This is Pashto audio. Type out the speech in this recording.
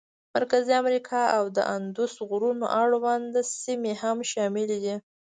مرکزي امریکا او د اندوس غرونو اړونده سیمې هم شاملې دي.